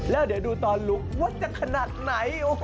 แล้วเดี๋ยวดูตอนลุกว่าจะขนาดไหน